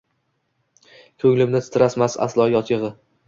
Ko’nglimni titratmas aslo yot yig’i